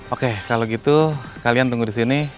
oke kalau gitu kalian tunggu disini